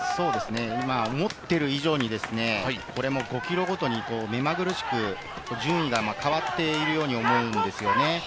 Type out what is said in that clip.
思っている以上にこれも５ｋｍごとに目まぐるしく順位が変わっているように思うんですよね。